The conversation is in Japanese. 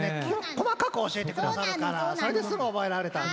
細かく教えてくださるからそれですぐ覚えられたんです。